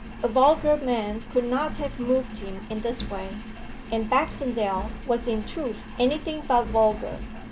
A vulgar man could not have moved him in this way, and Baxendale was in truth anything but vulgar.